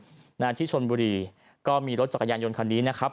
ที่จังหวัดชนบุรีก็มีรถจักรยานยนต์คันนี้นะครับ